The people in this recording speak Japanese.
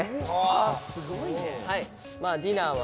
まあディナーは。